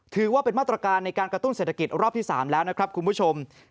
ถือว่าเป็นมาตรการในการกระตุ้นเศรษฐกิจรอบที่๓แล้วนะครับคุณผู้ชม